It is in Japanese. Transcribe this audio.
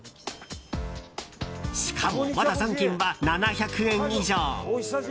しかもまだ残金は７００円以上。